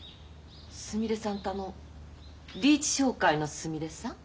すみれさんってあのリーチ商会のすみれさん？